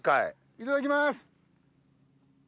いただきます！